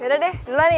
yaudah deh duluan ya